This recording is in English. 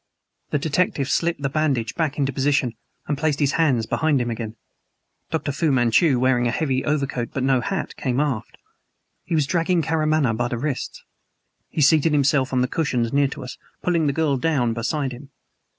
The detective slipped the bandage back to position and placed his hands behind him again. Dr. Fu Manchu, wearing a heavy overcoat but no hat, came aft. He was dragging Karamaneh by the wrists. He seated himself on the cushions near to us, pulling the girl down beside him.